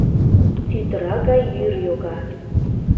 Тӱтыра гай йӱр йога.